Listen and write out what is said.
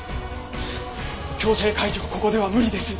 強制解除はここでは無理です。